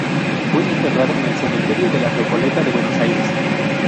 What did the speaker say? Fue enterrado en el Cementerio de la Recoleta de Buenos Aires.